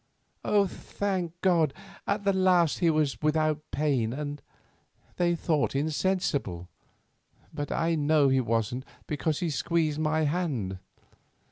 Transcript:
Thank God, at the last he was without pain and, they thought, insensible; but I know he wasn't, because he squeezed my hand.